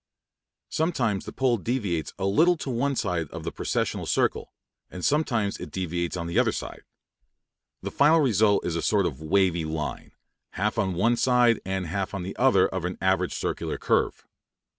Sometimes the pole deviates a little to one side of the precessional circle, and sometimes it deviates on the other side. The final result is a sort of wavy line, half on one side and half on the other of an average circular curve.